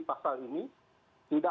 tidak ada yang memastikan